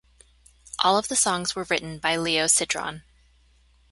All of the songs were written by Leo Sidran.